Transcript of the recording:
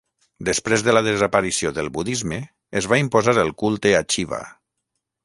Després de la desaparició del budisme es va imposar el culte a Xiva.